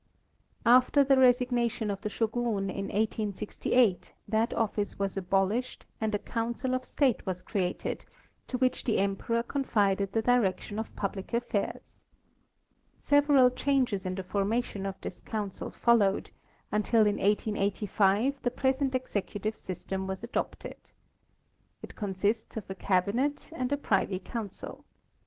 After the resignation of the Shogun in 1868 that office was abolished and a council of state was created, to which the Em peror confided the direction of public affairs. Several changes 198 D. W. Stevens—Japan. in the formation of this council followed, until in 1885 the present executive system was adopted. It consists of a cabinet . and a privy council.